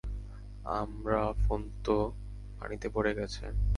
আমরা ফোন তো পানিতে পড়ে গেছে।